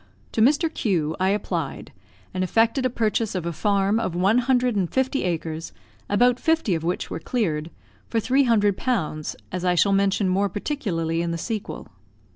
To Mr. Q I applied, and effected a purchase of a farm of one hundred and fifty acres, about fifty of which were cleared, for 300 pounds, as I shall mention more particularly in the sequel.